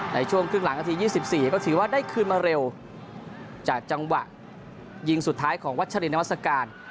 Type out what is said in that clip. ในช่วงครึ่งหลังนาที๒๔ก็ถือว่าได้คืนมาเร็วจากจังหวะยิงสุดท้ายของวัชรินวัศกาล